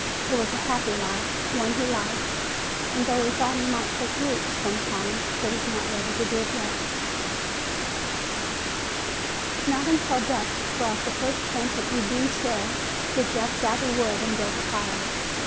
It was a happy life, one he liked, and though he thought he might take roots some time, he was not ready to do it yet. Not until dusk brought the first hint of evening chill did Jeff gather wood and build a fire.